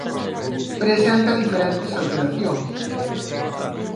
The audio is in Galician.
Presenta diferentes alteracións.